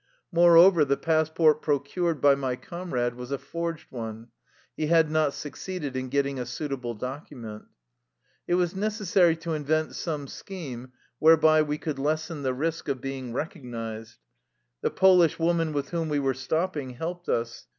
Moreover, the passport procured by my comrade was a forged one. He had not succeeded in getting a suitable document. It was necessary to invent some scheme whereby we could lessen the risk of being recog nized. The Polish woman with whom we were stopping helped us.